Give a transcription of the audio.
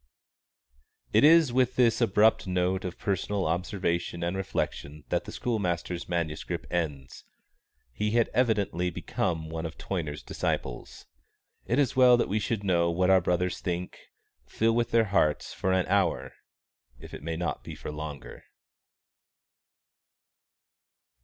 _It is with this abrupt note of personal observation and reflection that the schoolmaster's manuscript ends. He had evidently become one of Toyner's disciples. It is well that we should know what our brothers think, feel with their hearts for an hour, if it may not be for longer.